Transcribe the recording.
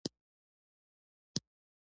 ويې ويل: خو د ګرګين خان ليک بل څه وايي.